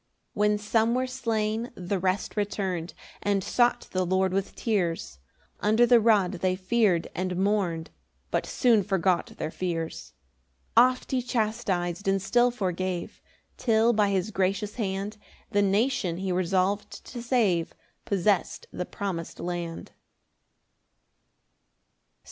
7 When some were slain, the rest return'd, And sought the Lord with tears; Under the rod they fear'd and mourn'd, But soon forgot their fears. 8 Oft he chastis'd and still forgave, Till by his gracious hand The nation he resolv'd to save, Possess'd the promis'd land.